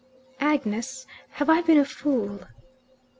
"Agnes have I been a fool?"